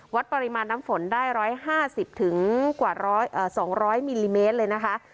วัดปริมาณน้ำฝนได้ร้อยห้าสิบถึงกว่าร้อยเอ่อสองร้อยมิลลิเมตรเลยนะคะ